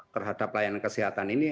terhadap pelayanan kesehatan ini